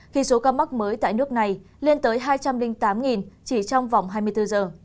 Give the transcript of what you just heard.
khi số ca mắc mới tại nước này lên tới hai trăm linh tám chỉ trong vòng hai mươi bốn giờ